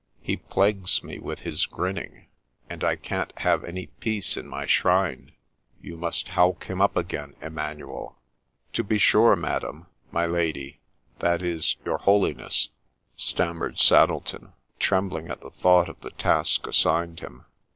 He plagues me with his grinning, and I can't have any peace in my shrine. You must howk him up again, Emmanuel !'' To be sure, madam, — my lady, — that is, your holiness,' stammered Saddleton, trembling at the thought of the task assigned him.